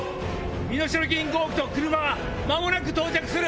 身代金５億と車は間もなく到着する。